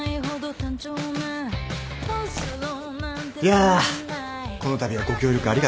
いやこのたびはご協力ありがとうございました。